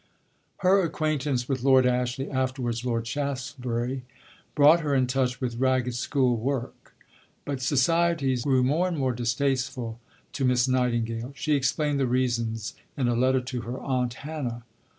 Her acquaintance with Lord Ashley (afterwards Lord Shaftesbury) brought her in touch with Ragged School work. But society grew more and more distasteful to Miss Nightingale. She explained the reasons in a letter to her "Aunt Hannah."